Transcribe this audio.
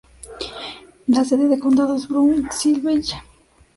La sede de condado es Brownsville.